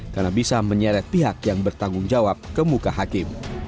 karena bisa menyeret pihak yang bertanggung jawab ke muka hakim